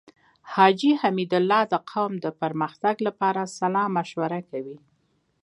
حاجی حميدالله د قوم د پرمختګ لپاره صلاح مشوره کوي.